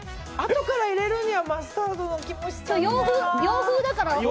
あとから入れるにはマスタードな気も洋風だから。